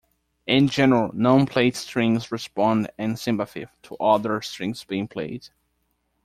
In general, non-played strings respond in sympathy to other strings being played.